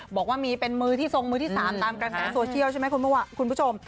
บอกว่ามีเป็นมือที่ทรงมือที่๓ตามกระแสโซเชียลใช่ไหมคุณผู้ชม